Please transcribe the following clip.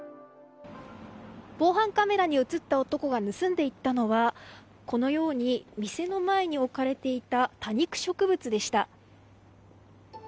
防犯カメラに映った男が盗んでいったのはこのように店の前に置かれていた多肉植物でした。